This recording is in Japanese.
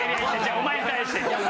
お前に対して！